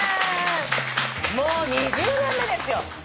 もう２０年目ですよ。